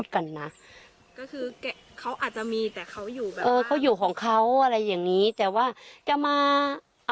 กันนะจริงไดรัพย์นี้มีกว่าจะมีอะไรเนอะ